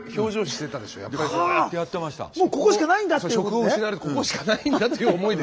もうここしかないんだっていうね。